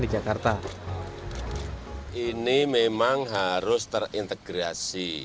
ini memang harus terintegrasi